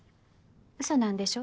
うそなんでしょ？